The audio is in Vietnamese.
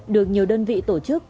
được nhiều đơn vị tổ chức